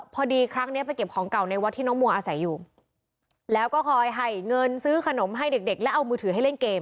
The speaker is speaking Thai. พอดีครั้งเนี้ยไปเก็บของเก่าในวัดที่น้องมัวอาศัยอยู่แล้วก็คอยให้เงินซื้อขนมให้เด็กเด็กและเอามือถือให้เล่นเกม